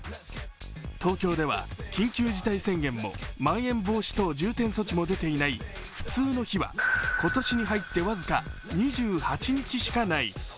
東京では緊急事態宣言もまん延防止等重点措置も出ていない普通の日は今年に入って僅か２８日しかない。